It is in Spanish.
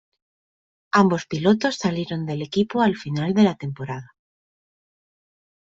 Ambos pilotos salieron del equipo al final de la temporada.